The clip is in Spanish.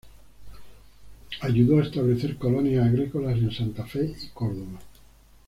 Ayudó a establecer colonias agrícolas en Santa Fe y Córdoba.